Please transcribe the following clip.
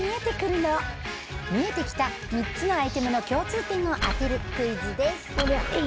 見えてきた３つのアイテムの共通点を当てるクイズです。